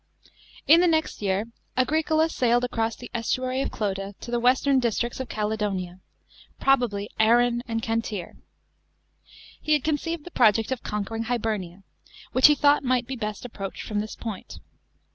*§ 4. In the next year Agricola sailed across the estuary of Clota to the western districts of Caledonia — probably Arran and Cantire. He had conceived the project of conquering HiUrnia, which he thought might be best approache 1 from this point.